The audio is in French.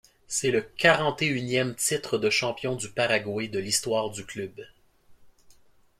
C'est le quarante-et-unième titre de champion du Paraguay de l'histoire du club.